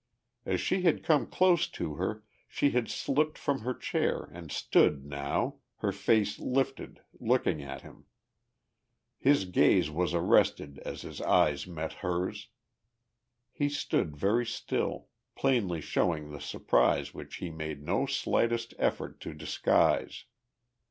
As he had come close to her she had slipped from her chair and stood now, her face lifted, looking at him. His gaze was arrested as his eyes met hers. He stood very still, plainly showing the surprise which he made no slightest effort to disguise.